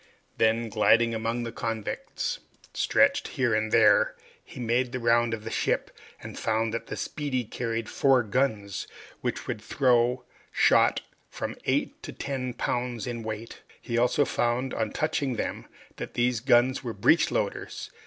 Then, gliding among the convicts stretched here and there, he made the round of the ship, and found that the "Speedy" carried four guns, which would throw shot of from eight to ten pounds in weight. He found also, on touching them that these guns were breech loaders.